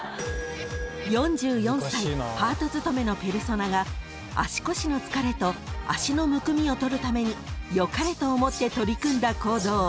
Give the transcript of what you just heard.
［４４歳パート勤めのペルソナが足腰の疲れと足のむくみを取るために良かれと思って取り組んだ行動。